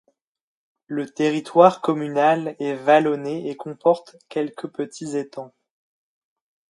Le territoire communal est vallonné et comporte quelques petits étangs.